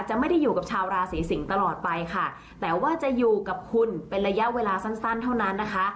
ไม่ได้อยู่กับชาวราศีสิงศ์ตลอดไปค่ะแต่ว่าจะอยู่กับคุณเป็นระยะเวลาสั้นสั้นเท่านั้นนะคะ